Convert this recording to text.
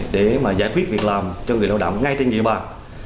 để giải quyết việc làm cho người lao động ngay trên địa bàn